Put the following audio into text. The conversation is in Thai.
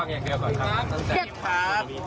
ครับ